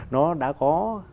nó đã có